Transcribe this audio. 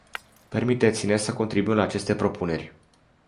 Permiteți-ne să contribuim la aceste propuneri.